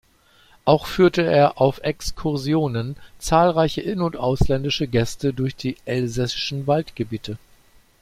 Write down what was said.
Auch führte er auf Exkursionen zahlreiche in- und ausländische Gäste durch die elsässischen Waldgebiete.